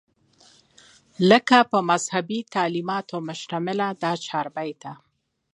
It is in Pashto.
لکه پۀ مذهبي تعليماتو مشتمله دا چاربېته